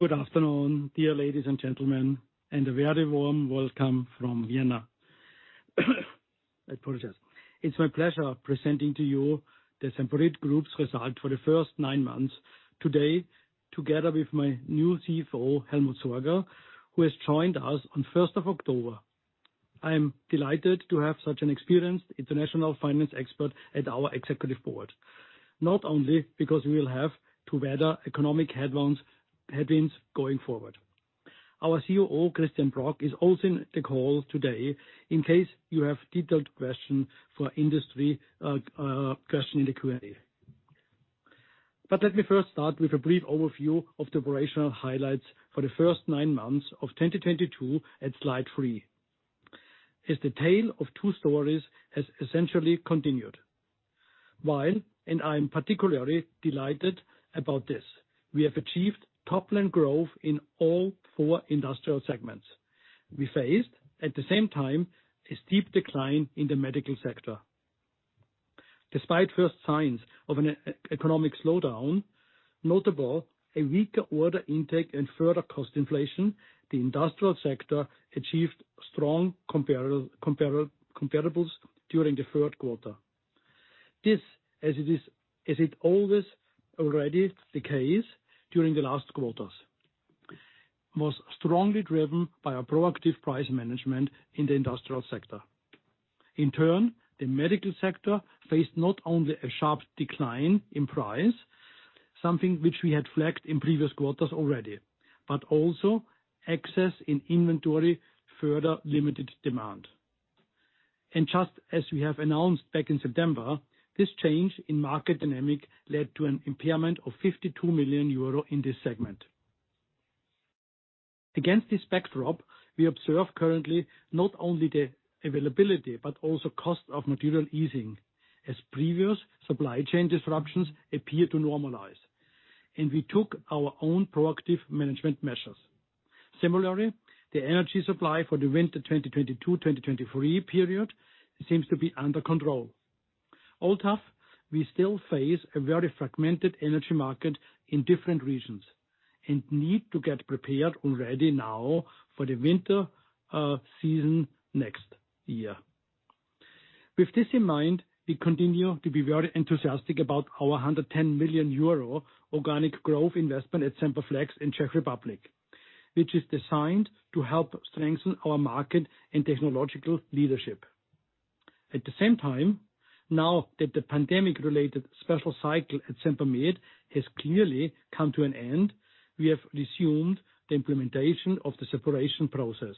Good afternoon, dear ladies and gentlemen, and a very warm welcome from Vienna. I apologize. It's my pleasure presenting to you the Semperit Group's Result for the First Nine Months today, together with my new CFO, Helmut Sorger, who has joined us on first of October. I am delighted to have such an experienced international finance expert at our executive board. Not only because we will have to weather economic headwinds going forward. Our COO, Kristian Brok, is also in the call today in case you have detailed question for industry, question in the Q&A. Let me first start with a brief overview of the operational highlights for the first nine months of 2022 at slide three. As the tale of two stories has essentially continued. While, and I'm particularly delighted about this, we have achieved top-line growth in all four industrial segments. We faced, at the same time, a steep decline in the medical sector. Despite first signs of an economic slowdown, notable a weaker order intake and further cost inflation, the industrial sector achieved strong comparables during the third quarter. This, as it is, as it always already the case during the last quarters, was strongly driven by a proactive price management in the industrial sector. In turn, the medical sector faced not only a sharp decline in price, something which we had flagged in previous quarters already, but also excess in inventory further limited demand. Just as we have announced back in September, this change in market dynamic led to an impairment of 52 million euro in this segment. Against this backdrop, we observe currently not only the availability, but also cost of material easing as previous supply chain disruptions appear to normalize. We took our own proactive management measures. Similarly, the energy supply for the winter 2022/2023 period seems to be under control. Although we still face a very fragmented energy market in different regions and need to get prepared already now for the winter season next year. With this in mind, we continue to be very enthusiastic about our 110 million euro organic growth investment at Semperflex in Czech Republic, which is designed to help strengthen our market and technological leadership. At the same time, now that the pandemic-related special cycle at Sempermed has clearly come to an end, we have resumed the implementation of the separation process.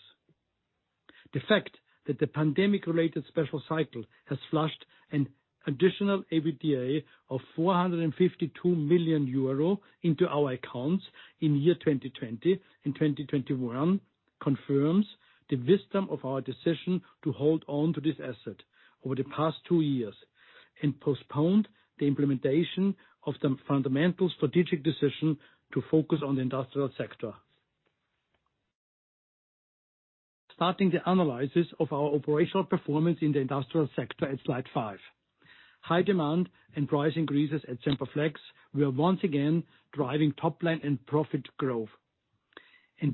The fact that the pandemic-related special cycle has flushed an additional EBITDA of 452 million euro into our accounts in 2020 and 2021 confirms the wisdom of our decision to hold on to this asset over the past two years, and postponed the implementation of the fundamental strategic decision to focus on the industrial sector. Starting the analysis of our operational performance in the industrial sector at slide five. High demand and price increases at Semperflex were once again driving top line and profit growth.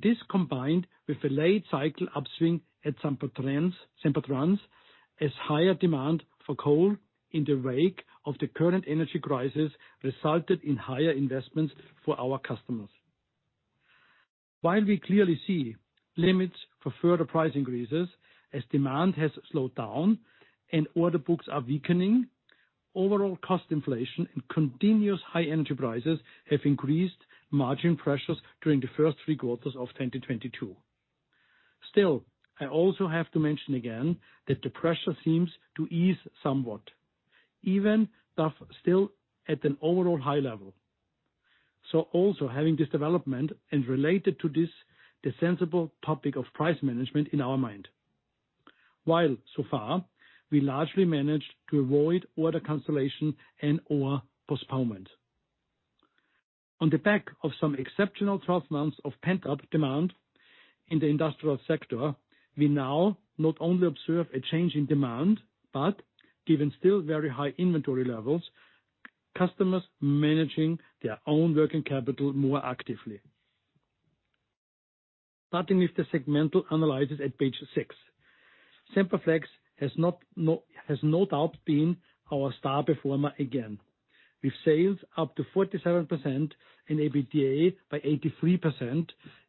This combined with a late cycle upswing at Sempertrans, as higher demand for coal in the wake of the current energy crisis resulted in higher investments for our customers. While we clearly see limits for further price increases as demand has slowed down and order books are weakening, overall cost inflation and continuous high energy prices have increased margin pressures during the first three quarters of 2022. Still, I also have to mention again that the pressure seems to ease somewhat, even though still at an overall high level. Also having this development and related to this, the sensible topic of price management in our mind. While so far, we largely managed to avoid order cancellation and/or postponement. On the back of some exceptional 12 months of pent-up demand in the industrial sector, we now not only observe a change in demand, but given still very high inventory levels, customers managing their own working capital more actively. Starting with the segmental analysis at page six. Semperflex has no doubt been our star performer again. With sales up to 47% and EBITDA by 83%,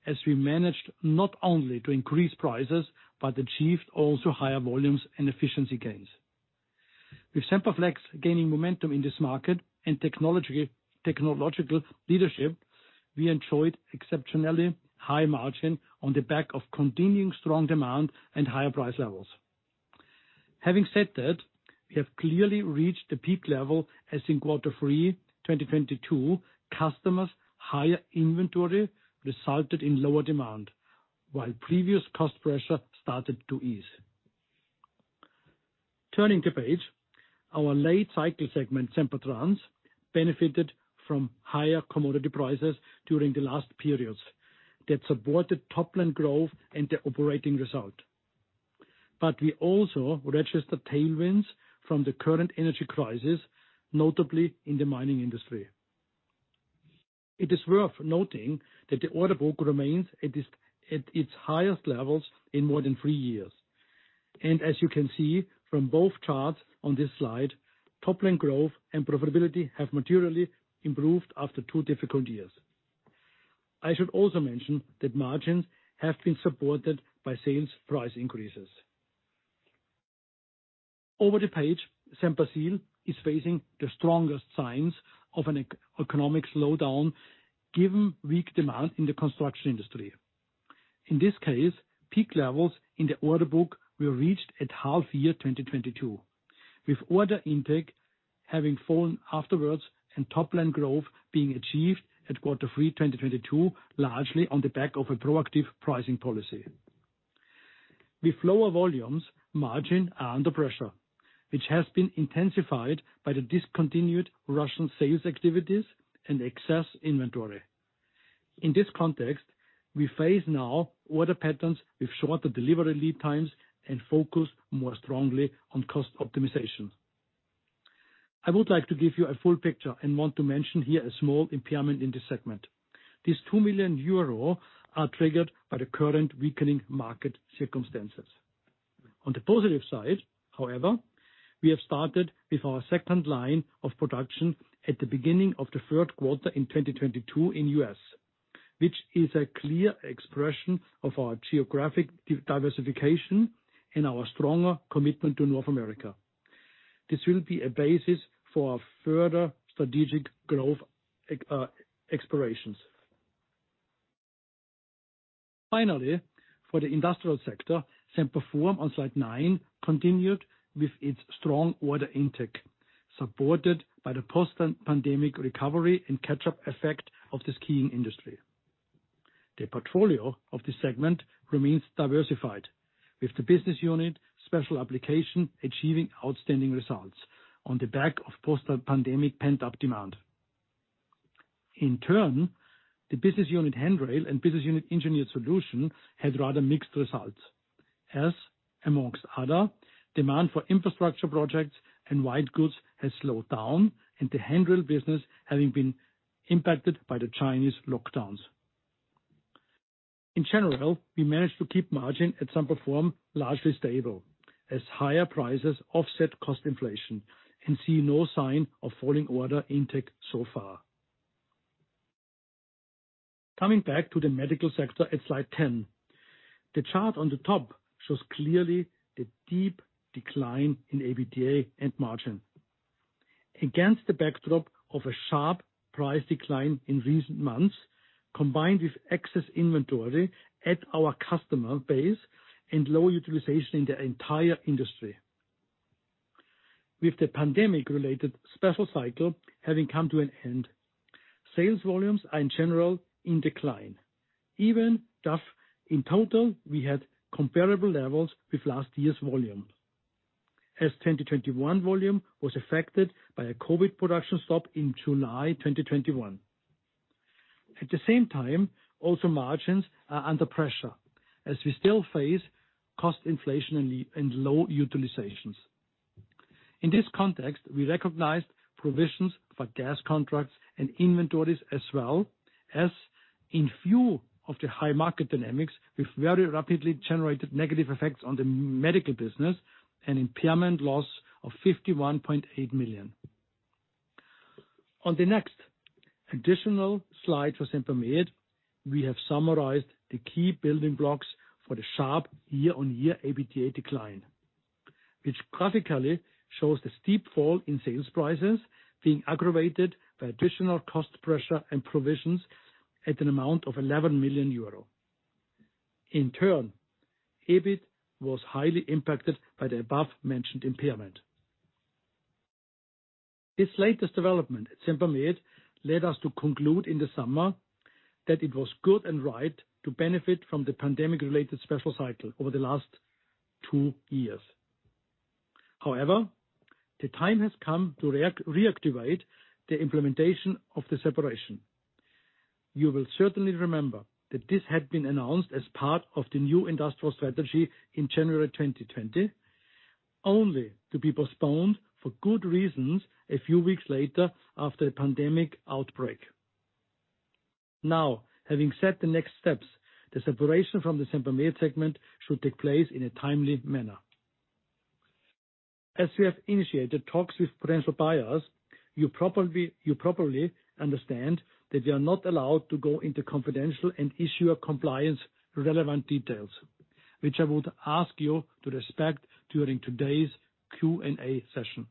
as we managed not only to increase prices, but achieved also higher volumes and efficiency gains. With Semperflex gaining momentum in this market and technology, technological leadership, we enjoyed exceptionally high margin on the back of continuing strong demand and higher price levels. Having said that, we have clearly reached the peak level, as in Q3 2022, customers' higher inventory resulted in lower demand, while previous cost pressure started to ease. Turning to page. Our late cycle segment, Sempertrans, benefited from higher commodity prices during the last periods that supported top-line growth and the operating result. We also register tailwinds from the current energy crisis, notably in the mining industry. It is worth noting that the order book remains at its highest levels in more than three years. As you can see from both charts on this slide, top-line growth and profitability have materially improved after two difficult years. I should also mention that margins have been supported by sales price increases. Over the page, Semperseal is facing the strongest signs of an economic slowdown given weak demand in the construction industry. In this case, peak levels in the order book were reached at half year 2022, with order intake having fallen afterwards and top-line growth being achieved at quarter three 2022, largely on the back of a proactive pricing policy. With lower volumes, margins are under pressure, which has been intensified by the discontinued Russian sales activities and excess inventory. In this context, we face now order patterns with shorter delivery lead times and focus more strongly on cost optimization. I would like to give you a full picture and want to mention here a small impairment in this segment. These 2 million euro are triggered by the current weakening market circumstances. On the positive side, however, we have started with our second line of production at the beginning of the third quarter in 2022 in the U.S., which is a clear expression of our geographic diversification and our stronger commitment to North America. This will be a basis for our further strategic growth explorations. Finally, for the industrial sector, Semperform on slide nine continued with its strong order intake, supported by the post-pandemic recovery and catch-up effect of the skiing industry. The portfolio of this segment remains diversified, with the business unit special application achieving outstanding results on the back of post-pandemic pent-up demand. In turn, the business unit handrail and business unit engineered solution had rather mixed results, as, among other, demand for infrastructure projects and white goods has slowed down and the handrail business having been impacted by the Chinese lockdowns. In general, we managed to keep margin at Semperform largely stable as higher prices offset cost inflation and we see no sign of falling order intake so far. Coming back to the medical sector at slide 10. The chart on the top shows clearly the deep decline in EBITDA and margin. Against the backdrop of a sharp price decline in recent months, combined with excess inventory at our customer base and low utilization in the entire industry. With the pandemic-related special cycle having come to an end, sales volumes are in general in decline. Even though in total we had comparable levels with last year's volume, as 2021 volume was affected by a COVID production stop in July 2021. At the same time, also margins are under pressure as we still face cost inflation and low utilizations. In this context, we recognized provisions for gas contracts and inventories as well as in view of the high market dynamics, which very rapidly generated negative effects on the medical business, an impairment loss of 51.8 million. On the next additional slide for Sempermed, we have summarized the key building blocks for the sharp year-on-year EBITDA decline, which classically shows the steep fall in sales prices being aggravated by additional cost pressure and provisions at an amount of 11 million euro. In turn, EBIT was highly impacted by the above-mentioned impairment. This latest development at Sempermed led us to conclude in the summer that it was good and right to benefit from the pandemic-related special cycle over the last two years. However, the time has come to reactivate the implementation of the separation. You will certainly remember that this had been announced as part of the new industrial strategy in January 2020, only to be postponed for good reasons a few weeks later after the pandemic outbreak. Now, having set the next steps, the separation from the Sempermed segment should take place in a timely manner. As we have initiated talks with potential buyers, you probably understand that we are not allowed to go into confidential and issue compliance relevant details, which I would ask you to respect during today's Q&A session.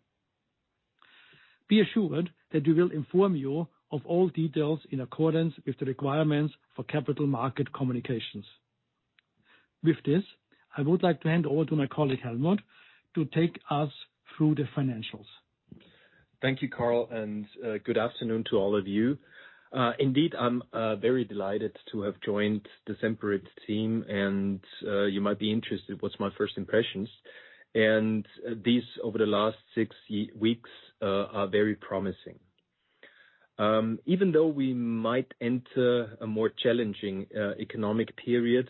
Be assured that we will inform you of all details in accordance with the requirements for capital market communications. With this, I would like to hand over to my colleague, Helmut, to take us through the financials. Thank you, Karl, and good afternoon to all of you. Indeed, I'm very delighted to have joined the Semperit team and you might be interested what's my first impressions. These, over the last six weeks, are very promising. Even though we might enter a more challenging economic period,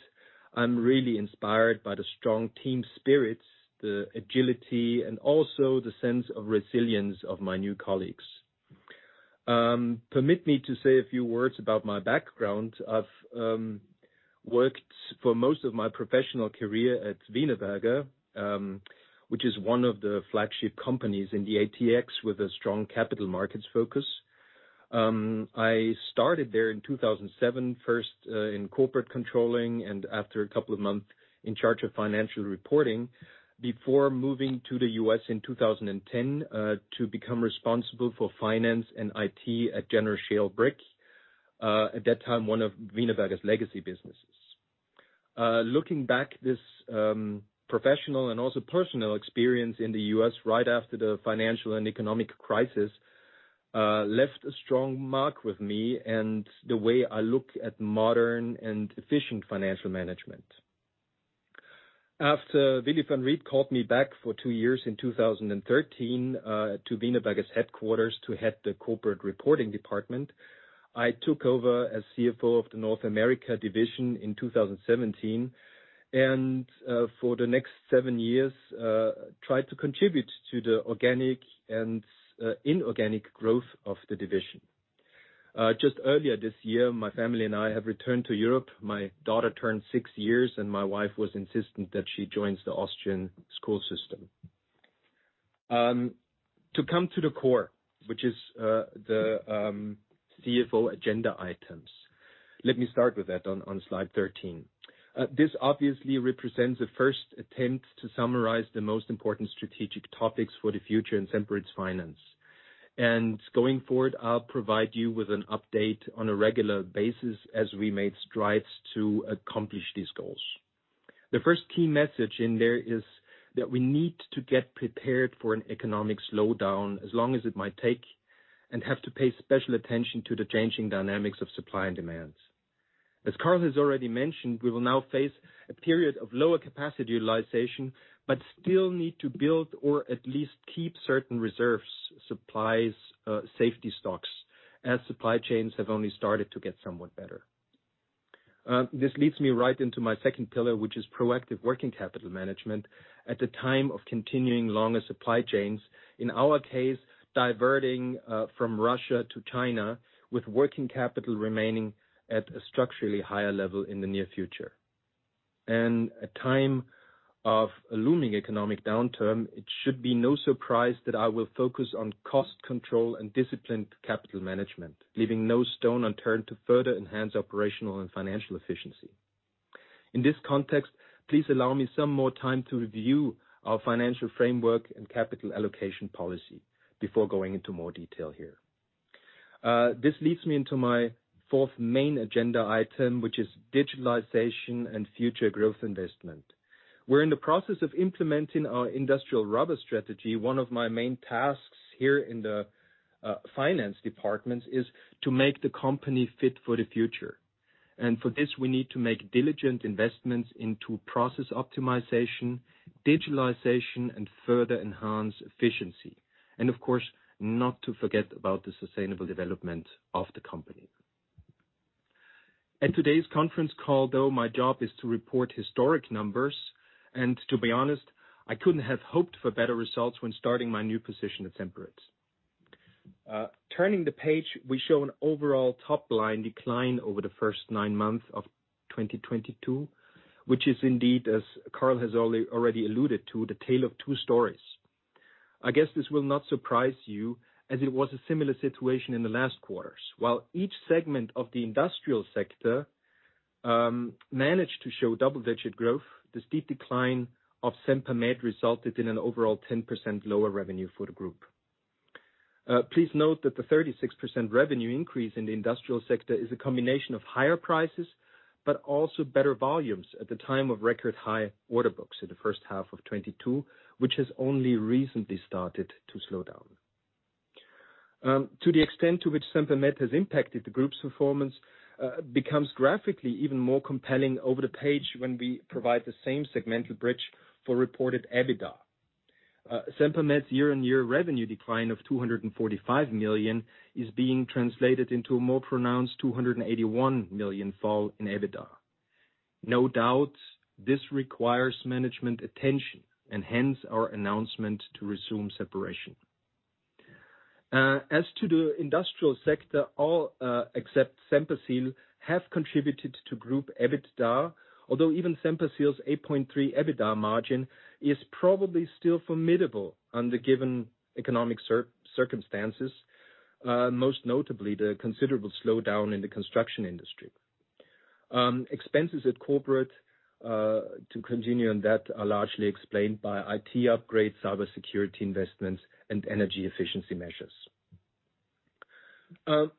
I'm really inspired by the strong team spirits, the agility, and also the sense of resilience of my new colleagues. Permit me to say a few words about my background. I've worked for most of my professional career at Wienerberger, which is one of the flagship companies in the ATX with a strong capital markets focus. I started there in 2007, first in corporate controlling, and after a couple of months, in charge of financial reporting before moving to the U.S. in 2010 to become responsible for finance and IT at General Shale Brick. At that time, one of Wienerberger's legacy businesses. Looking back, this professional and also personal experience in the U.S. right after the financial and economic crisis left a strong mark with me and the way I look at modern and efficient financial management. After Willy Van Riet called me back for two years in 2013, to Wienerberger's headquarters to head the corporate reporting department, I took over as CFO of the North America division in 2017, and, for the next seven years, tried to contribute to the organic and inorganic growth of the division. Just earlier this year, my family and I have returned to Europe. My daughter turned six years, and my wife was insistent that she joins the Austrian school system. To come to the core, which is the CFO agenda items. Let me start with that on slide 13. This obviously represents a first attempt to summarize the most important strategic topics for the future in Semperit's finance. Going forward, I'll provide you with an update on a regular basis as we make strides to accomplish these goals. The first key message in there is that we need to get prepared for an economic slowdown as long as it might take, and have to pay special attention to the changing dynamics of supply and demands. As Karl has already mentioned, we will now face a period of lower capacity utilization, but still need to build or at least keep certain reserves, supplies, safety stocks, as supply chains have only started to get somewhat better. This leads me right into my second pillar, which is proactive working capital management at the time of continuing longer supply chains. In our case, diverting, from Russia to China, with working capital remaining at a structurally higher level in the near future. In a time of a looming economic downturn, it should be no surprise that I will focus on cost control and disciplined capital management, leaving no stone unturned to further enhance operational and financial efficiency. In this context, please allow me some more time to review our financial framework and capital allocation policy before going into more detail here. This leads me into my fourth main agenda item, which is digitalization and future growth investment. We're in the process of implementing our industrial rubber strategy. One of my main tasks here in the finance department is to make the company fit for the future. For this, we need to make diligent investments into process optimization, digitalization, and further enhance efficiency. Of course, not to forget about the sustainable development of the company. At today's conference call, though my job is to report historic numbers, and to be honest, I couldn't have hoped for better results when starting my new position at Semperit. Turning the page, we show an overall top-line decline over the first nine months of 2022, which is indeed, as Karl has already alluded to, the tale of two stories. I guess this will not surprise you as it was a similar situation in the last quarters. While each segment of the industrial sector managed to show double-digit growth, the steep decline of Sempermed resulted in an overall 10% lower revenue for the group. Please note that the 36% revenue increase in the industrial sector is a combination of higher prices but also better volumes at the time of record high order books in the first half of 2022, which has only recently started to slow down. To the extent to which Sempermed has impacted the group's performance becomes graphically even more compelling over the page when we provide the same segmental bridge for reported EBITDA. Sempermed's year-on-year revenue decline of 245 million is being translated into a more pronounced 281 million fall in EBITDA. No doubt, this requires management attention, and hence our announcement to resume separation. As to the industrial sector, all except Semperseal have contributed to group EBITDA. Although even Semperseal's 8.3% EBITDA margin is probably still formidable on the given economic circumstances, most notably the considerable slowdown in the construction industry. Expenses at corporate, to continue on that, are largely explained by IT upgrades, cybersecurity investments, and energy efficiency measures.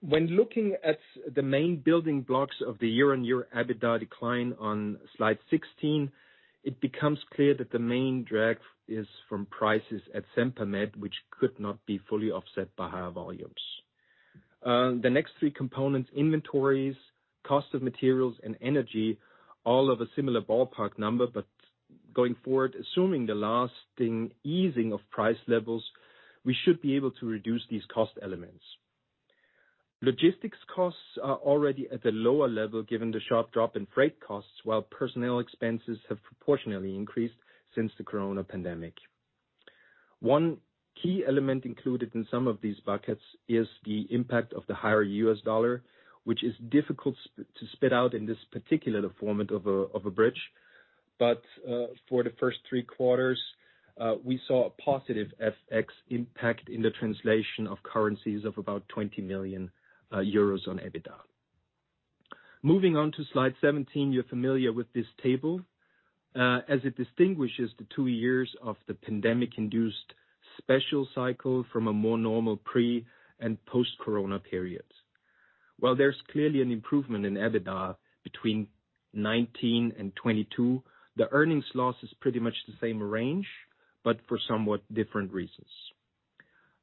When looking at the main building blocks of the year-on-year EBITDA decline on slide 16, it becomes clear that the main drag is from prices at Sempermed, which could not be fully offset by higher volumes. The next three components, inventories, cost of materials, and energy, all have a similar ballpark number, but going forward, assuming the lasting easing of price levels, we should be able to reduce these cost elements. Logistics costs are already at the lower level given the sharp drop in freight costs, while personnel expenses have proportionally increased since the corona pandemic. One key element included in some of these buckets is the impact of the higher U.S. dollar, which is difficult to spit out in this particular format of a bridge. For the first three quarters, we saw a positive FX impact in the translation of currencies of about 20 million euros on EBITDA. Moving on to slide 17. You're familiar with this table, as it distinguishes the two years of the pandemic-induced special cycle from a more normal pre- and post-corona periods. While there's clearly an improvement in EBITDA between 2019 and 2022, the earnings loss is pretty much the same range, but for somewhat different reasons.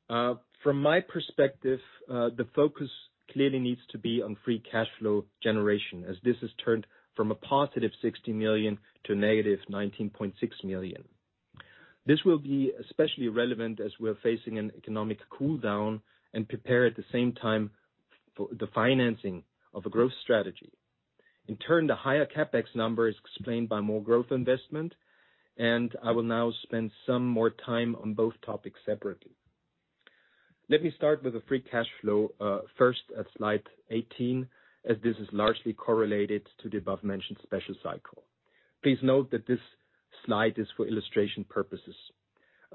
From my perspective, the focus clearly needs to be on free cash flow generation, as this has turned from a positive 60 million to a negative 19.6 million. This will be especially relevant as we're facing an economic cool down and prepare at the same time for the financing of a growth strategy. In turn, the higher CapEx number is explained by more growth investment, and I will now spend some more time on both topics separately. Let me start with the free cash flow, first at slide 18, as this is largely correlated to the above-mentioned special cycle. Please note that this slide is for illustration purposes.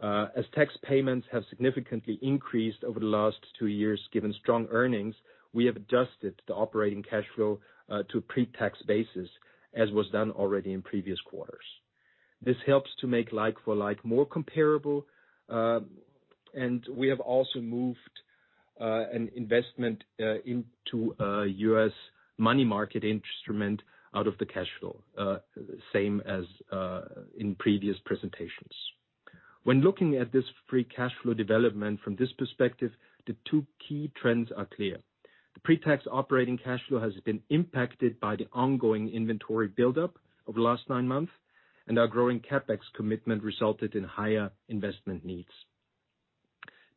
As tax payments have significantly increased over the last two years given strong earnings, we have adjusted the operating cash flow to pre-tax basis, as was done already in previous quarters. This helps to make like for like more comparable, and we have also moved an investment into a U.S. money market instrument out of the cash flow, same as in previous presentations. When looking at this free cash flow development from this perspective, the two key trends are clear. The pre-tax operating cash flow has been impacted by the ongoing inventory build-up over the last nine months, and our growing CapEx commitment resulted in higher investment needs.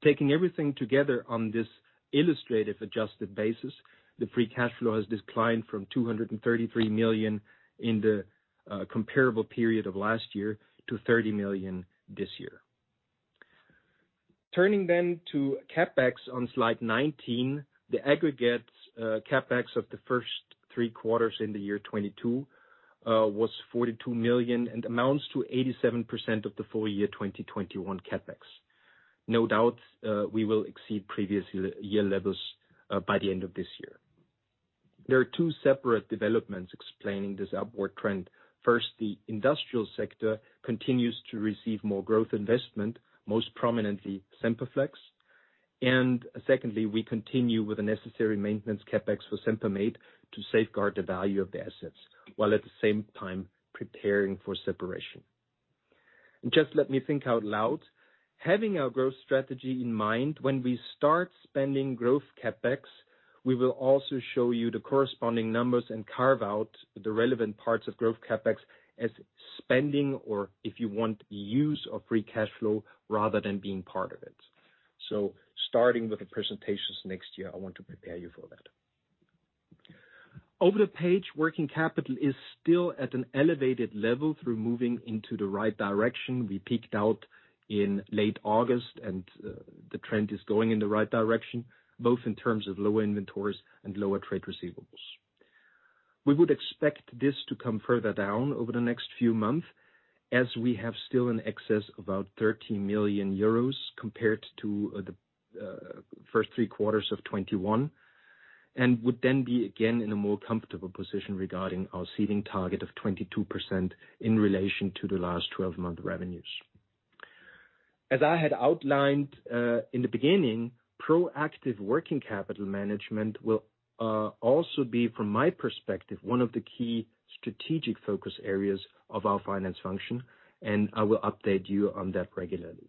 Taking everything together on this illustrative adjusted basis, the free cash flow has declined from 233 million in the comparable period of last year to 30 million this year. Turning to CapEx on slide 19. The aggregate CapEx of the first three quarters in the year 2022 was 42 million and amounts to 87% of the full-year 2021 CapEx. No doubt, we will exceed previous year levels by the end of this year. There are two separate developments explaining this upward trend. First, the industrial sector continues to receive more growth investment, most prominently Semperflex. Secondly, we continue with the necessary maintenance CapEx for Sempermed to safeguard the value of the assets, while at the same time preparing for separation. Just let me think out loud. Having our growth strategy in mind, when we start spending growth CapEx, we will also show you the corresponding numbers and carve out the relevant parts of growth CapEx as spending, or if you want, use of free cash flow rather than being part of it. Starting with the presentations next year, I want to prepare you for that. Over the page, working capital is still at an elevated level though moving into the right direction. We peaked out in late August and the trend is going in the right direction, both in terms of lower inventories and lower trade receivables. We would expect this to come further down over the next few months, as we have still in excess about 13 million euros compared to the first three quarters of 2021, and would then be again in a more comfortable position regarding our ceiling target of 22% in relation to the last twelve-month revenues. As I had outlined in the beginning, proactive working capital management will also be, from my perspective, one of the key strategic focus areas of our finance function, and I will update you on that regularly.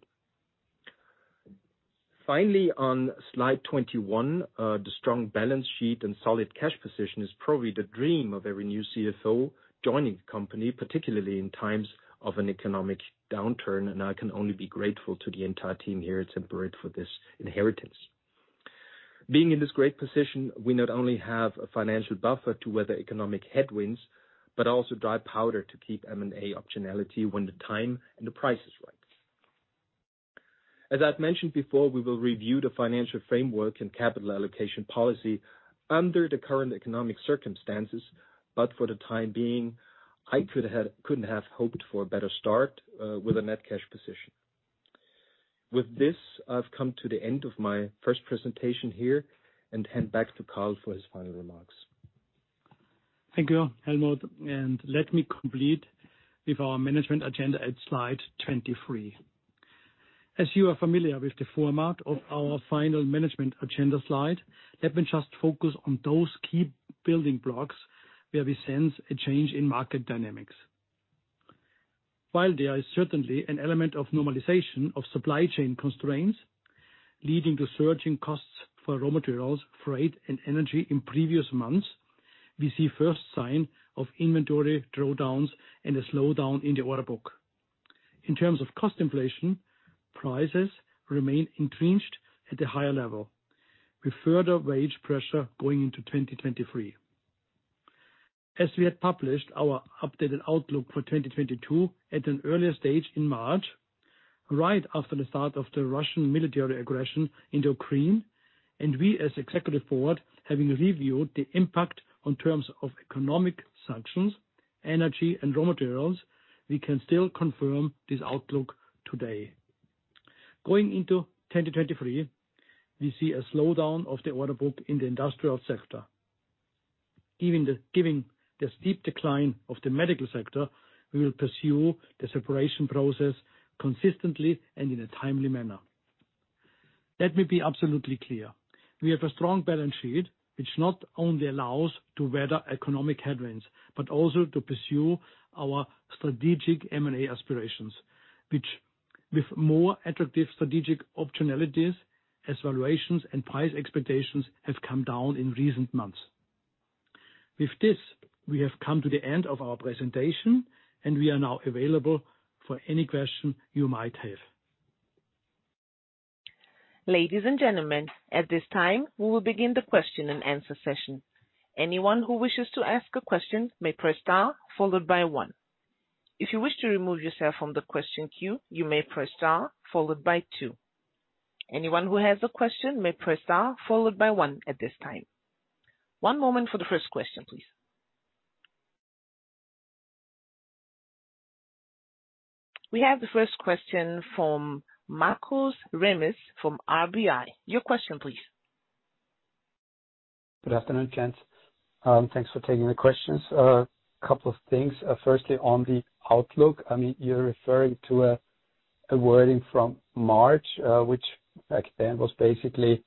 Finally, on slide 21, the strong balance sheet and solid cash position is probably the dream of every new CFO joining the company, particularly in times of an economic downturn. I can only be grateful to the entire team here at Semperit for this inheritance. Being in this great position, we not only have a financial buffer to weather economic headwinds, but also dry powder to keep M&A optionality when the time and the price is right. As I've mentioned before, we will review the financial framework and capital allocation policy under the current economic circumstances, but for the time being, I couldn't have hoped for a better start with a net cash position. With this, I've come to the end of my first presentation here and hand back to Karl for his final remarks. Thank you, Helmut, and let me complete with our management agenda at slide 23. As you are familiar with the format of our final management agenda slide, let me just focus on those key building blocks where we sense a change in market dynamics. While there is certainly an element of normalization of supply chain constraints leading to surging costs for raw materials, freight, and energy in previous months. We see first sign of inventory drawdowns and a slowdown in the order book. In terms of cost inflation, prices remain entrenched at a higher level, with further wage pressure going into 2023. As we had published our updated outlook for 2022 at an earlier stage in March, right after the start of the Russian military aggression in Ukraine, and we, as executive board, having reviewed the impact on terms of economic sanctions, energy and raw materials, we can still confirm this outlook today. Going into 2023, we see a slowdown of the order book in the industrial sector. Given the steep decline of the medical sector, we will pursue the separation process consistently and in a timely manner. Let me be absolutely clear, we have a strong balance sheet which not only allows to weather economic headwinds, but also to pursue our strategic M&A aspirations, which with more attractive strategic optionalities as valuations and price expectations have come down in recent months. With this, we have come to the end of our presentation and we are now available for any question you might have. Ladies and gentlemen, at this time, we will begin the question and answer session. Anyone who wishes to ask a question may press star followed by one. If you wish to remove yourself from the question queue, you may press star followed by two. Anyone who has a question may press star followed by one at this time. One moment for the first question, please. We have the first question from Markus Remis from RBI. Your question please. Good afternoon, gents. Thanks for taking the questions. A couple of things. Firstly, on the outlook, I mean, you're referring to a wording from March, which back then was basically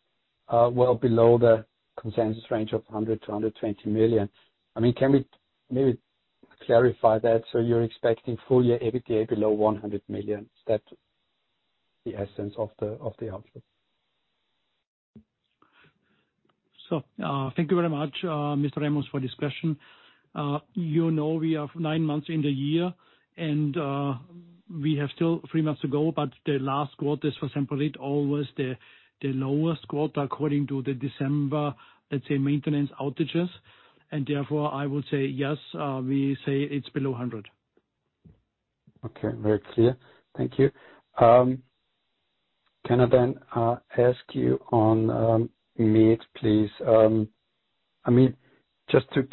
well below the consensus range of 100 million-120 million. I mean, can we maybe clarify that? So you're expecting full year EBITDA below 100 million. Is that the essence of the outlook? Thank you very much, Mr. Remis for this question. You know, we are nine months in the year and we have still three months to go, but the last quarter is for Semperit always the lowest quarter according to the December, let's say, maintenance outages. Therefore, I would say yes, we say it's below 100. Okay. Very clear. Thank you. Can I then ask you on MED please? I mean, just to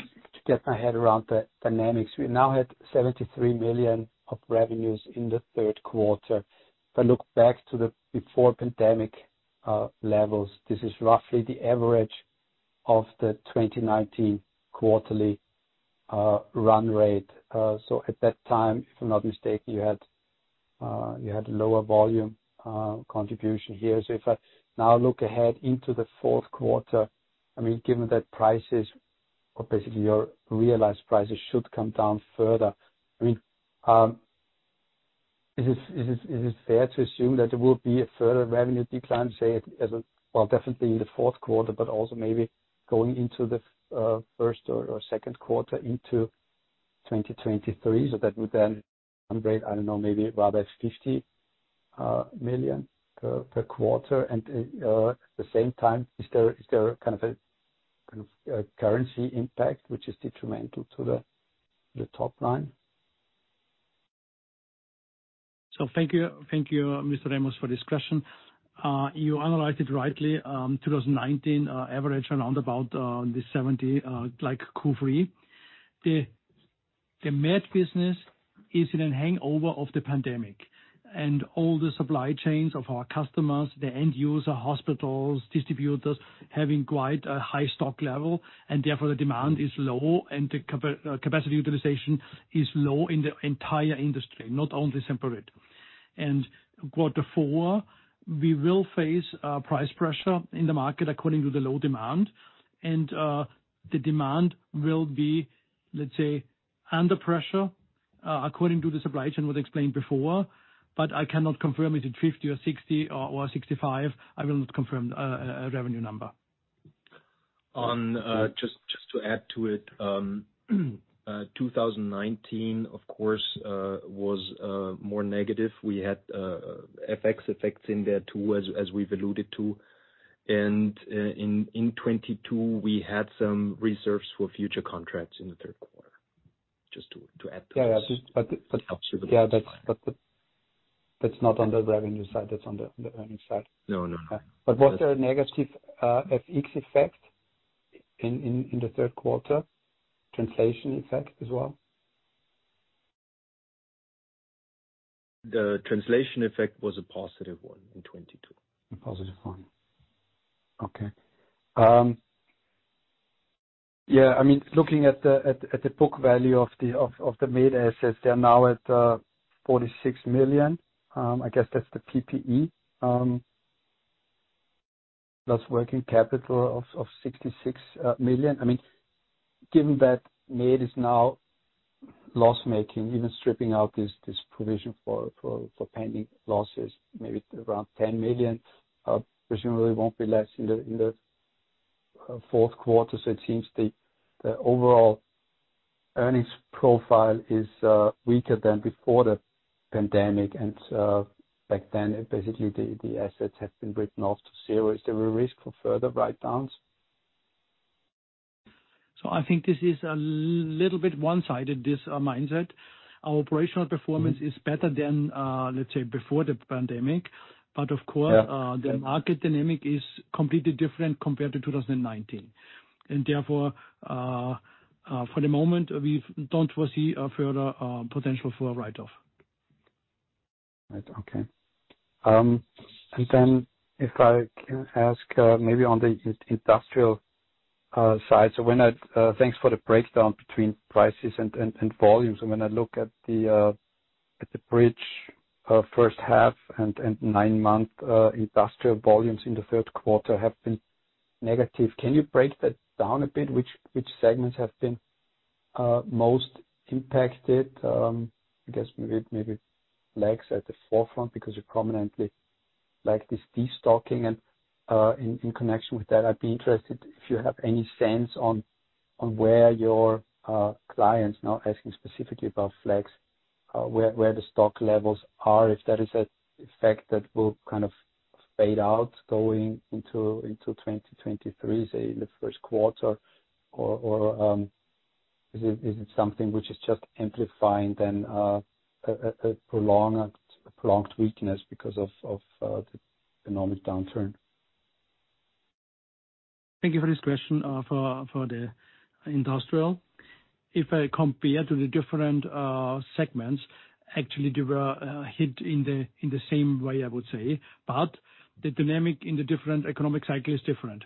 get my head around the dynamics, we now had 73 million of revenues in the third quarter. If I look back to the before pandemic levels, this is roughly the average of the 2019 quarterly run rate. At that time, if I'm not mistaken, you had lower volume contribution here. If I now look ahead into the fourth quarter, I mean, given that prices or basically your realized prices should come down further, I mean, is this fair to assume that there will be a further revenue decline, say. Well, definitely in the fourth quarter, but also maybe going into the first or second quarter into 2023. That would then amount to, I don't know, maybe rather 50 million per quarter. At the same time, is there kind of a currency impact which is detrimental to the top line? Thank you. Thank you, Mr. Remis, for this question. You analyzed it rightly, 2019 average around about the 70% like Q3. The MED business is in a hangover of the pandemic and all the supply chains of our customers, the end user, hospitals, distributors, having quite a high stock level, and therefore the demand is low and the capacity utilization is low in the entire industry, not only Semperit. Quarter four, we will face price pressure in the market according to the low demand. The demand will be, let's say, under pressure according to the supply chain as explained before, but I cannot confirm if it's 50 or 60 or 65. I will not confirm a revenue number. Just to add to it, 2019, of course, was more negative. We had FX effects in there too as we've alluded to. In 2022 we had some reserves for future contracts in the third quarter. Just to add to this. Yeah, yeah. To help you with this. Yeah, that's but that's not on the revenue side, that's on the earnings side. No, no. Was there a negative FX effect in the third quarter? Translation effect as well? The translation effect was a positive one in 2022. A positive one. Okay. I mean, looking at the book value of the MED assets, they are now at 46 million. I guess that's the PPE plus working capital of 66 million. I mean, given that MED is now loss-making, even stripping out this provision for pending losses, maybe around 10 million, presumably won't be less in the fourth quarter. It seems the overall earnings profile is weaker than before the pandemic. Back then, basically the assets have been written off to zero. Is there a risk for further write-downs? I think this is a little bit one-sided, this, mindset. Our operational performance is better than, let's say, before the pandemic. Of course- Yeah. The market dynamic is completely different compared to 2019. Therefore, for the moment, we don't foresee a further potential for write-off. Right. Okay. If I can ask, maybe on the industrial side. Thanks for the breakdown between prices and volumes. When I look at the bridge, first half and nine-month industrial volumes in the third quarter have been negative. Can you break that down a bit? Which segments have been most impacted? I guess maybe Semperflex at the forefront because you're prominently like this destocking. In connection with that, I'd be interested if you have any sense on where your clients, now asking specifically about Semperflex, where the stock levels are. If that is an effect that will kind of fade out going into 2023, say in the first quarter, or is it something which is just amplifying then a prolonged weakness because of the economic downturn? Thank you for this question. For the industrial, if I compare to the different segments, actually they were hit in the same way, I would say. The dynamic in the different economic cycle is different.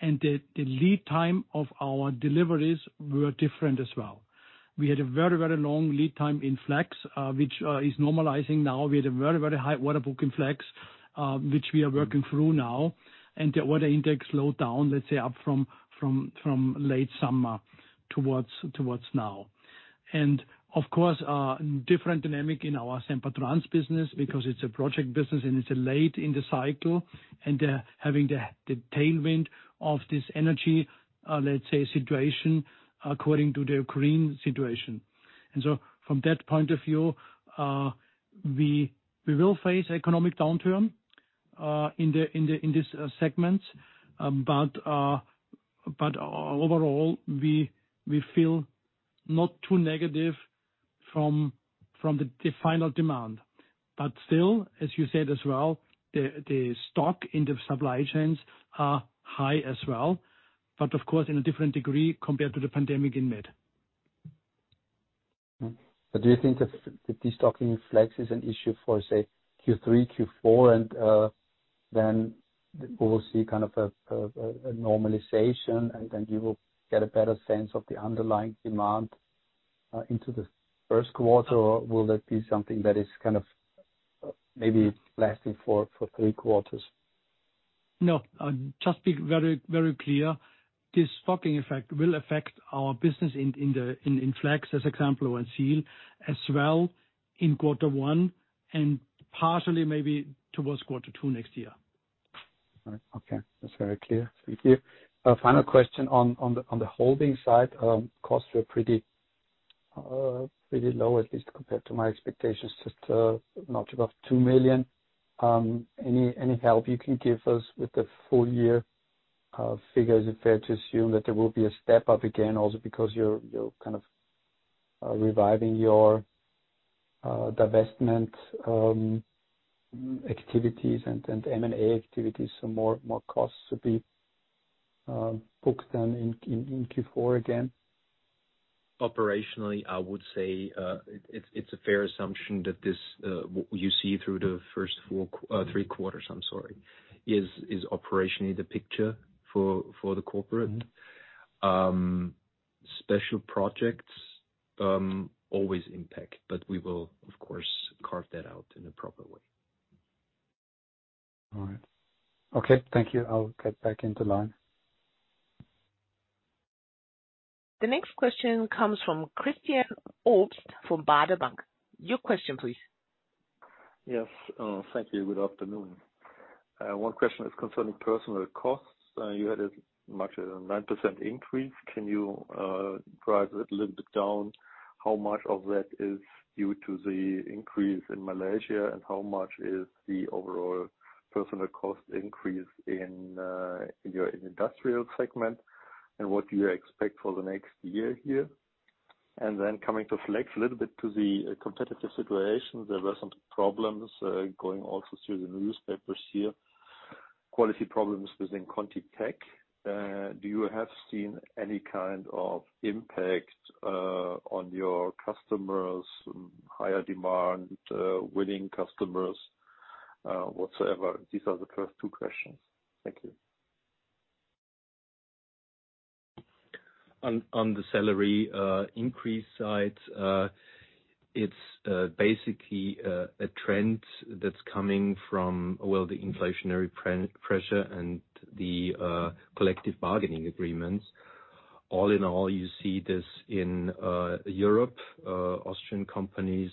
The lead time of our deliveries were different as well. We had a very long lead time in Flex, which is normalizing now. We had a very high order book in Flex, which we are working through now. The order intake slowed down, let's say from late summer towards now. Of course, different dynamic in our Sempertrans business because it's a project business and it's late in the cycle. Having the tailwind of this energy, let's say situation according to the Ukrainian situation. From that point of view, we will face economic downturn in this segment. Overall, we feel not too negative from the final demand. Still, as you said as well, the stock in the supply chains are high as well, but of course in a different degree compared to the pandemic in mid. Do you think the destocking Flex is an issue for, say, Q3, Q4, and then we will see kind of a normalization and then you will get a better sense of the underlying demand into the first quarter? Or will that be something that is kind of maybe lasting for three quarters? No, just be very, very clear. This destocking effect will affect our business in Semperflex as example and Semperseal as well in quarter one and partially maybe towards quarter two next year. All right. Okay. That's very clear. Thank you. Final question on the holding side. Costs were pretty low, at least compared to my expectations. Just a notch above 2 million. Any help you can give us with the full year figures? Is it fair to assume that there will be a step up again, also because you're kind of reviving your divestment activities and M&A activities, so more costs to be booked then in Q4 again? Operationally, I would say, it's a fair assumption that this, what you see through the first three quarters, I'm sorry, is operationally the picture for the corporate. Special projects always impact, but we will of course carve that out in a proper way. All right. Okay. Thank you. I'll get back into line. The next question comes from Christian Obst from Baader Bank. Your question, please. Yes. Thank you. Good afternoon. One question is concerning personnel costs. You had as much as a 9% increase. Can you drill that a little bit down? How much of that is due to the increase in Malaysia, and how much is the overall personnel cost increase in your industrial segment? What do you expect for the next year here? Then coming to flex, a little bit to the competitive situation. There were some problems going also through the newspapers here, quality problems within ContiTech. Have you seen any kind of impact on your customers, higher demand, winning customers, whatsoever? These are the first two questions. Thank you. On the salary increase side, it's basically a trend that's coming from, well, the inflationary pressure and the collective bargaining agreements. All in all, you see this in Europe, Austrian companies,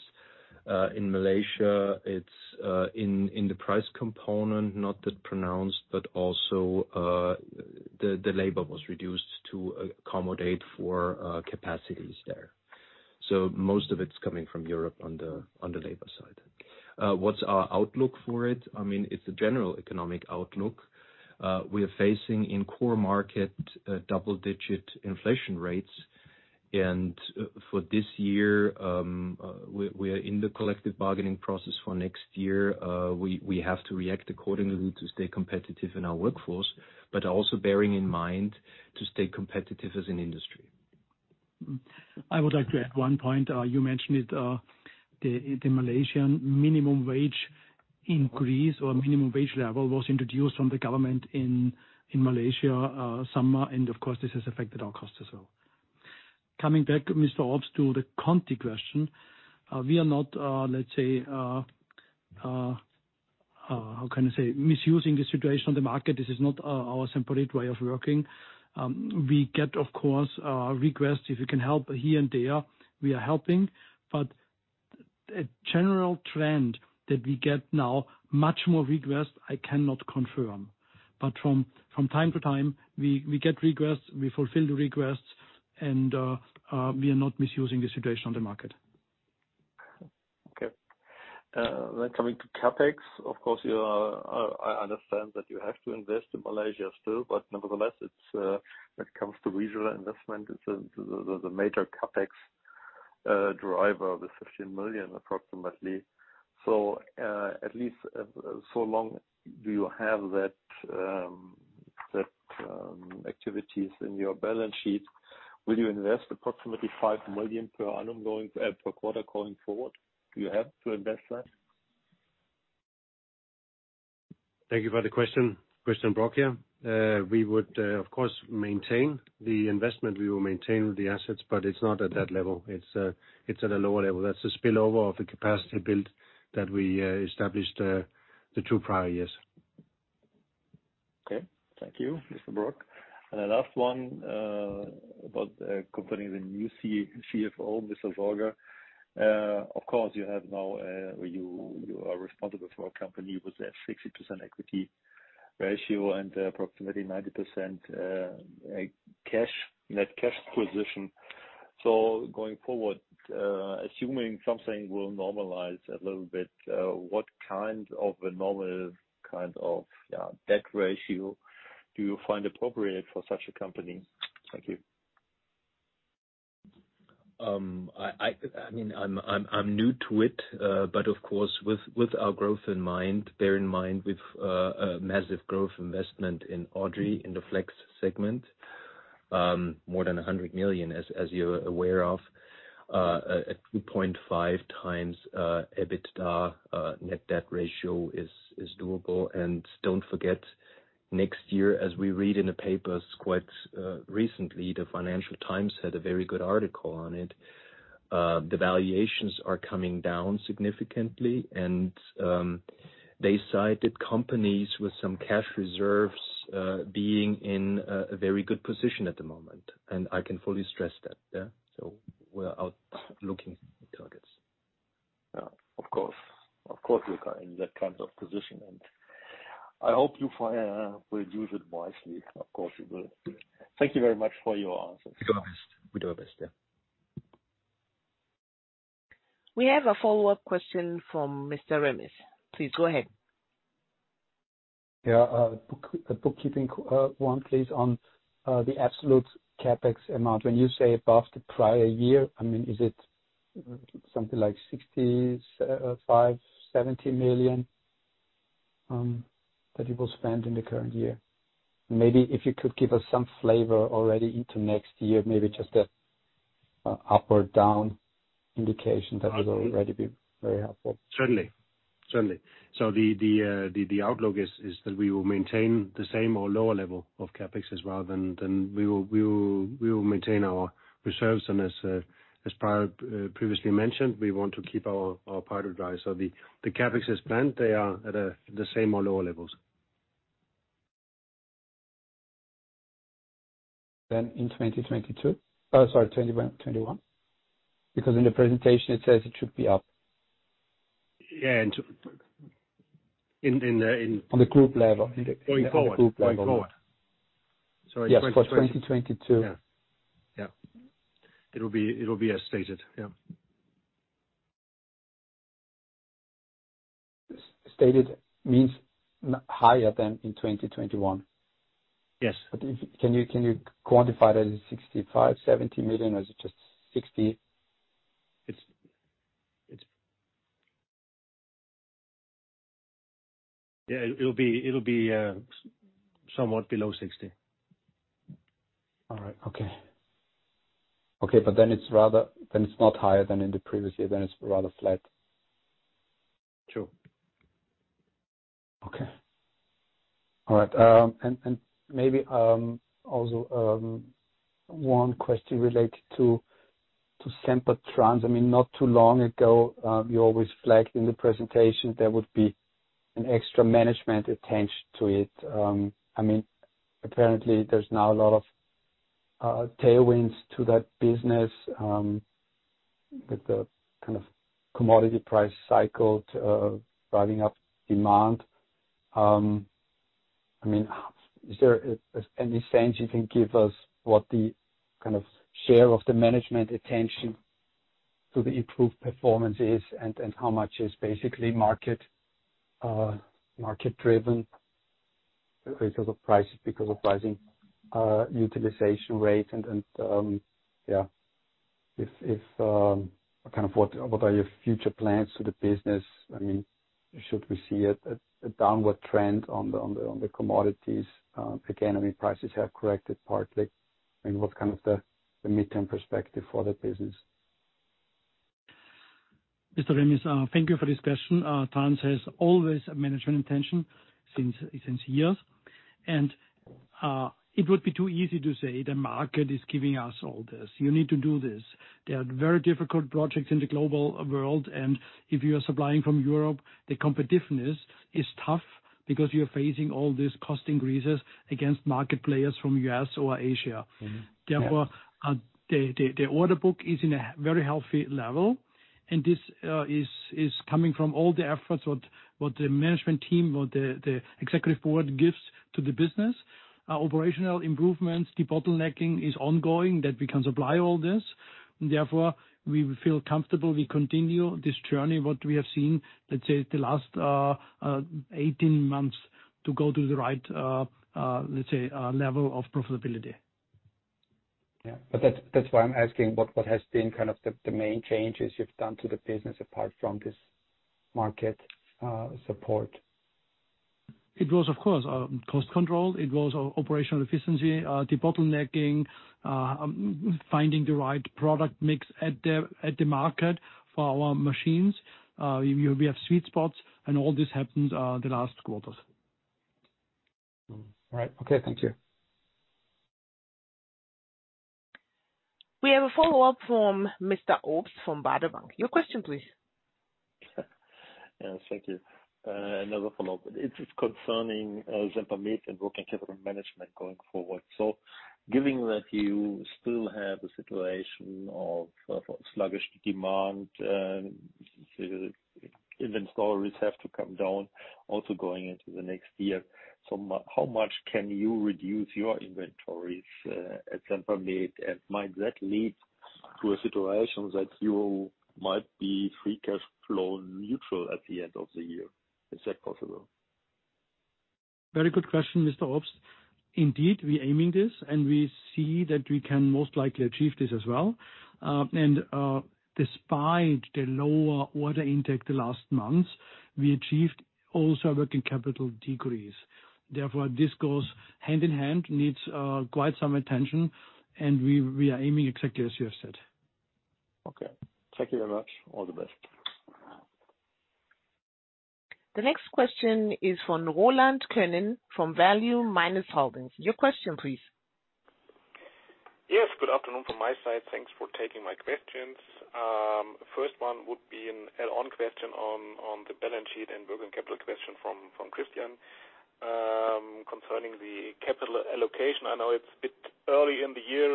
in Malaysia. It's in the price component, not that pronounced, but also the labor was reduced to accommodate for capacities there. So most of it's coming from Europe on the labor side. What's our outlook for it? I mean, it's a general economic outlook. We are facing, in core market, double-digit inflation rates. For this year, we are in the collective bargaining process for next year. We have to react accordingly to stay competitive in our workforce, but also bearing in mind to stay competitive as an industry. I would like to add one point. You mentioned it, the Malaysian minimum wage increase or minimum wage level was introduced from the government in Malaysia summer, and of course, this has affected our costs as well. Coming back, Mr. Obst, to the Conti question. We are not, let's say, how can I say? Misusing the situation on the market. This is not our separate way of working. We get, of course, requests if we can help here and there, we are helping. A general trend that we get now, much more requests, I cannot confirm. From time to time, we get requests, we fulfill the requests and we are not misusing the situation on the market. Okay. Coming to CapEx. Of course, I understand that you have to invest in Malaysia still, but nevertheless, it's when it comes to regional investment, it's the major CapEx driver, the 15 million approximately. At least, so long as you have those activities in your balance sheet, will you invest approximately 5 million per quarter going forward? Do you have to invest that? Thank you for the question. Kristian Brok here. We would, of course, maintain the investment. We will maintain the assets, but it's not at that level. It's at a lower level. That's a spillover of the capacity build that we established the two prior years. Okay. Thank you, Mr. Brok. The last one, about, concerning the new CFO, Mr. Sorger. Of course, you have now, you are responsible for a company with a 60% equity ratio and approximately 90%, cash net cash position. Going forward, assuming something will normalize a little bit, what kind of a normal kind of debt ratio do you find appropriate for such a company? Thank you. I mean, I'm new to it. But of course, with our growth in mind, bear in mind with a massive growth investment in Odry, in the flex segment, more than 100 million, as you're aware of, a 2.5x EBITDA net debt ratio is doable. Don't forget, next year, as we read in the papers quite recently, the Financial Times had a very good article on it, the valuations are coming down significantly. They cited companies with some cash reserves being in a very good position at the moment. I can fully stress that, yeah. We're out looking targets. Yeah, of course. Of course, you are in that kind of position. I hope you will use it wisely. Of course you will. Thank you very much for your answers. We do our best, yeah. We have a follow-up question from Mr. Remis. Please go ahead. Question one, please, on the absolute CapEx amount. When you say above the prior year, I mean, is it something like 65 million, 70 million that you will spend in the current year? Maybe if you could give us some flavor already into next year, maybe just a up or down indication, that would already be very helpful. Certainly. The outlook is that we will maintain the same or lower level of CapEx as well. Then we will maintain our reserves. As previously mentioned, we want to keep our powder dry. The CapEx as planned, they are at the same or lower levels. In 2021. Because in the presentation, it says it should be up. Yeah. In the On the group level. Going forward. On the group level. Going forward. Sorry, 20 Yes, for 2022. Yeah. It'll be as stated. Yeah. Stated means higher than in 2021. Yes. Can you quantify that as 65 million-70 million, or is it just 60 million? Yeah, it'll be somewhat below 60. All right. Okay. Okay. It's not higher than in the previous year, then it's rather flat. True. All right. Maybe also one question related to Sempertrans. I mean, not too long ago, you always flagged in the presentation there would be an extra management attention to it. I mean, apparently there's now a lot of tailwinds to that business with the kind of commodity price cycle to driving up demand. I mean, is there any sense you can give us what the kind of share of the management attention to the improved performance is and how much is basically market driven because of prices, because of pricing, utilization rate and yeah. If kind of what are your future plans to the business? I mean, should we see a downward trend on the commodities? Again, I mean, prices have corrected partly. I mean, what kind of the midterm perspective for the business? Mr. Remis, thank you for this question. Sempertrans has always a management intention since years. It would be too easy to say the market is giving us all this. You need to do this. There are very difficult projects in the global world, and if you are supplying from Europe, the competitiveness is tough because you're facing all these cost increases against market players from U.S. or Asia. Mm-hmm. Yeah. Therefore, the order book is in a very healthy level, and this is coming from all the efforts what the management team, the executive board gives to the business. Operational improvements, debottlenecking is ongoing, that we can supply all this. Therefore, we feel comfortable we continue this journey, what we have seen, let's say the last 18 months to go to the right, let's say, level of profitability. Yeah. That's why I'm asking what has been kind of the main changes you've done to the business apart from this market support? It was, of course, cost control. It was operational efficiency, debottlenecking, finding the right product mix at the market for our machines. We have sweet spots and all this happened the last quarters. All right. Okay. Thank you. We have a follow-up from Mr. Obst from Baader Bank. Your question please. Yes, thank you. Another follow-up. It's concerning Sempermed and working capital management going forward. Given that you still have a situation of sluggish demand, inventories have to come down also going into the next year. How much can you reduce your inventories at Sempermed? And might that lead to a situation that you might be free cash flow neutral at the end of the year? Is that possible? Very good question, Mr. Obst. Indeed, we're aiming this, and we see that we can most likely achieve this as well. Despite the lower order intake the last months, we achieved also working capital decrease. Therefore, this goes hand in hand, needs quite some attention, and we are aiming exactly as you have said. Okay. Thank you very much. All the best. The next question is from Roland Könen from Value-Holdings AG. Your question please. Yes, good afternoon from my side. Thanks for taking my questions. First one would be an add-on question on the balance sheet and working capital question from Christian. Concerning the capital allocation, I know it's a bit early in the year,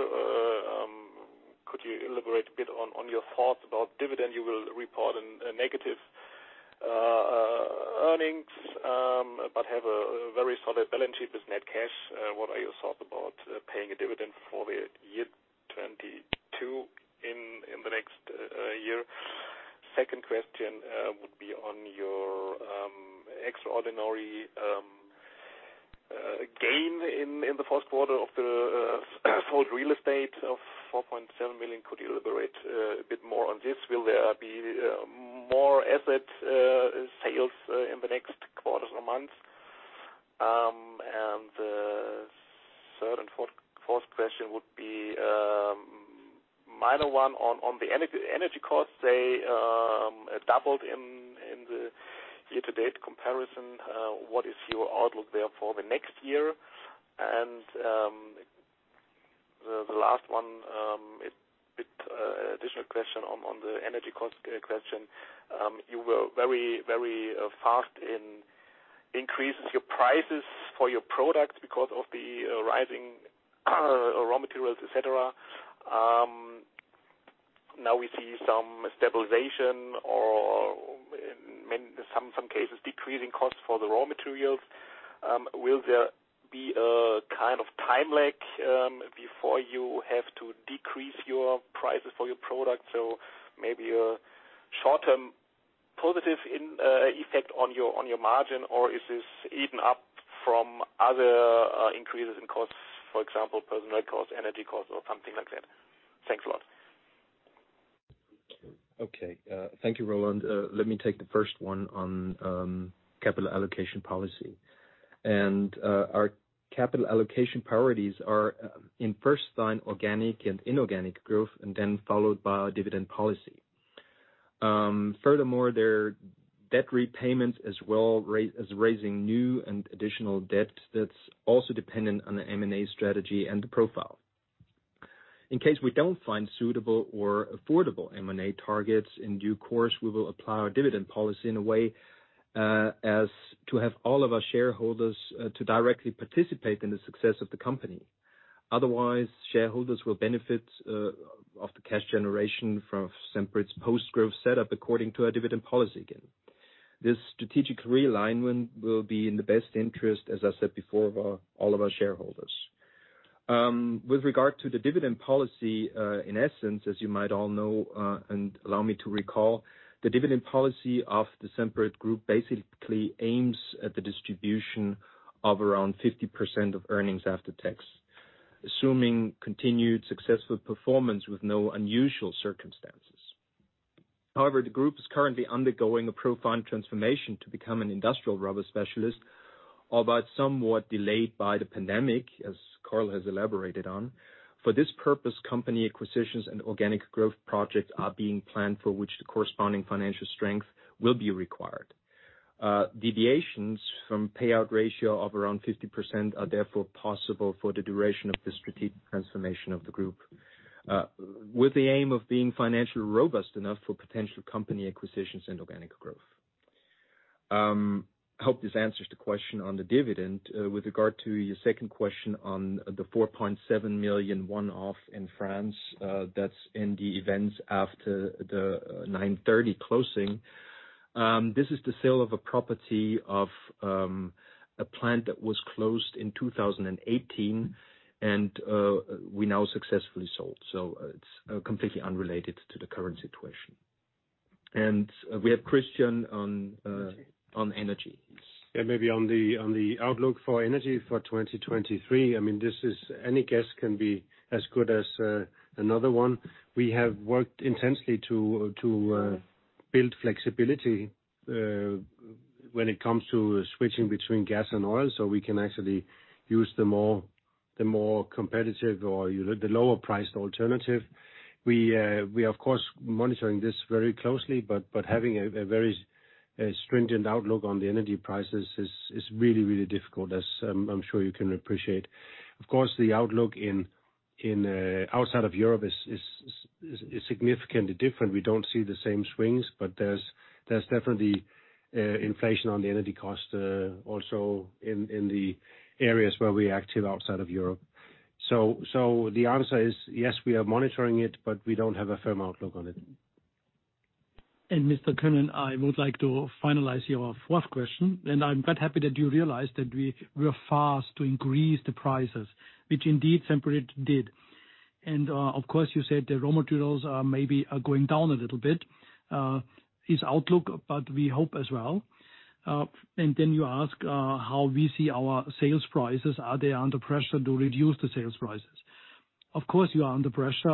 could you elaborate a bit on your thoughts about dividend? You will report a negative earnings, but have a very solid balance sheet with net cash. What are your thoughts about paying a dividend for the year 2022 in the next year? Second question would be on your extraordinary gain in the first quarter of the sold real estate of 4.7 million. Could you elaborate a bit more on this? Will there be more asset sales in the next quarters or months? Third and fourth question would be a minor one on the energy costs. They doubled in the year to date comparison. What is your outlook there for the next year? The last one, an additional question on the energy cost question. You were very fast in increasing your prices for your products because of the rising raw materials, et cetera. Now we see some stabilization or in some cases decreasing costs for the raw materials. Will there be a kind of time lag before you have to decrease your prices for your product? Maybe a short-term positive in effect on your margin, or is this eaten up by other increases in costs, for example, personnel costs, energy costs or something like that? Thanks a lot. Okay. Thank you, Roland. Let me take the first one on capital allocation policy. Our capital allocation priorities are in first line organic and inorganic growth and then followed by our dividend policy. Furthermore, their debt repayments as well as raising new and additional debt that's also dependent on the M&A strategy and the profile. In case we don't find suitable or affordable M&A targets in due course, we will apply our dividend policy in a way as to have all of our shareholders to directly participate in the success of the company. Otherwise, shareholders will benefit of the cash generation from Semperit's post-growth set up according to our dividend policy again. This strategic realignment will be in the best interest, as I said before, of all of our shareholders. With regard to the dividend policy, in essence, as you might all know, and allow me to recall, the dividend policy of the Semperit Group basically aims at the distribution of around 50% of earnings after tax, assuming continued successful performance with no unusual circumstances. However, the group is currently undergoing a profound transformation to become an industrial rubber specialist, although it's somewhat delayed by the pandemic, as Karl has elaborated on. For this purpose, company acquisitions and organic growth projects are being planned for which the corresponding financial strength will be required. Deviations from payout ratio of around 50% are therefore possible for the duration of the strategic transformation of the group, with the aim of being financially robust enough for potential company acquisitions and organic growth. Hope this answers the question on the dividend. With regard to your second question on the 4.7 million one-off in France, that's in the events after the 9:30 closing. This is the sale of a property of a plant that was closed in 2018, and we now successfully sold. It's completely unrelated to the current situation. We have Christian on energy. Yeah, maybe on the outlook for energy for 2023, I mean, any guess can be as good as another one. We have worked intensely to build flexibility when it comes to switching between gas and oil, so we can actually use the more competitive or the lower priced alternative. We of course are monitoring this very closely, but having a very stringent outlook on the energy prices is really difficult, as I'm sure you can appreciate. Of course, the outlook outside of Europe is significantly different. We don't see the same swings, but there's definitely inflation on the energy cost also in the areas where we're active outside of Europe. The answer is yes, we are monitoring it, but we don't have a firm outlook on it. Mr. Könen, I would like to finalize your fourth question, and I'm quite happy that you realized that we are fast to increase the prices, which indeed Semperit did. Of course, you said the raw materials are maybe going down a little bit, the outlook, but we hope as well. Then you ask how we see our sales prices. Are they under pressure to reduce the sales prices? Of course we are under pressure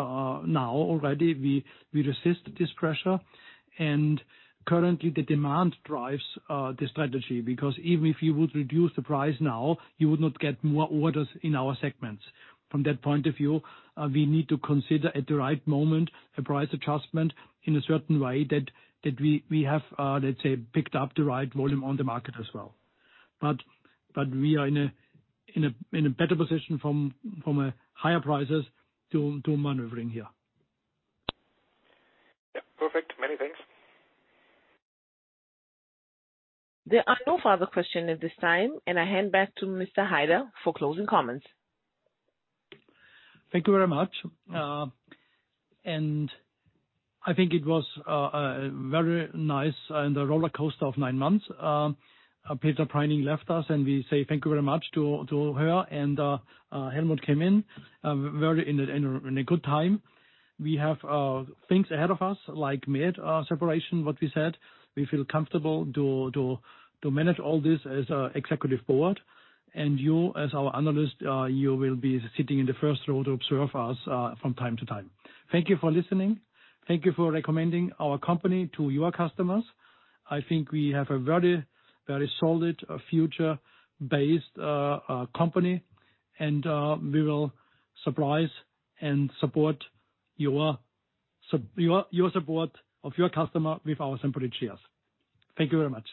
now already. We resist this pressure, and currently the demand drives the strategy. Because even if you would reduce the price now, you would not get more orders in our segments. From that point of view, we need to consider at the right moment a price adjustment in a certain way that we have, let's say, picked up the right volume on the market as well. We are in a better position from a higher prices to maneuvering here. Yeah. Perfect. Many thanks. There are no further questions at this time, and I hand back to Mr. Haider for closing comments. Thank you very much. I think it was a very nice rollercoaster of nine months. Petra Preining left us and we say thank you very much to her. Helmut came in very at a good time. We have things ahead of us, like MED separation, what we said. We feel comfortable to manage all this as an executive board. You as our analyst, you will be sitting in the first row to observe us from time to time. Thank you for listening. Thank you for recommending our company to your customers. I think we have a very solid future-based company. We will surprise and support your support of your customer with our Semperit shares. Thank you very much.